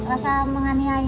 rasa menganiaya gitu